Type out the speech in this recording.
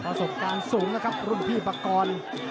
ประสบการณ์สูงนะครับรุ่นพี่ปากร